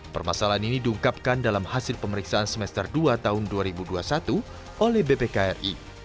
permasalahan ini diungkapkan dalam hasil pemeriksaan semester dua tahun dua ribu dua puluh satu oleh bpkri